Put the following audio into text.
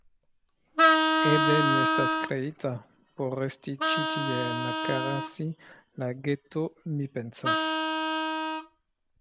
Eble mi estas kreita por resti ĉi tie en la karasi-lageto, mi pensas.